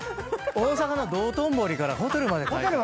大阪の道頓堀からホテルまで帰った。